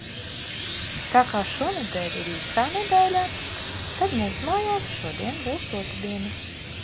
Tā kā šonedēļ ir īsā nedēļā, tad mūsmājās šodien būs otrdiena.